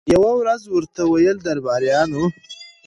یوه ورځ ورته ویله درباریانو